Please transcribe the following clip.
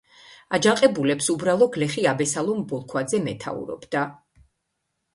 აჯანყებულებს უბრალო გლეხი აბესალომ ბოლქვაძე მეთაურობდა.